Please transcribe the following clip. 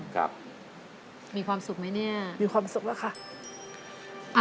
ครับมีความสุขไหมเนี่ยมีความสุขแล้วค่ะ